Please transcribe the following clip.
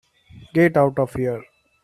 Get out of here.